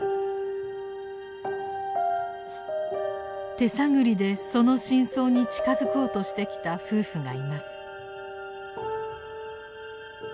手探りでその真相に近づこうとしてきた夫婦がいます。